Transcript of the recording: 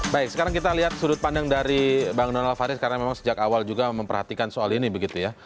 baik sekarang kita lihat sudut pandang dari bang donald faris karena memang sejak awal juga memperhatikan soal ini begitu ya